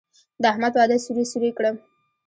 د احمد واده سوري سوري کړم.